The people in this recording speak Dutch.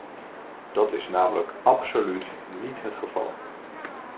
Dat is namelijk absoluut niet het geval.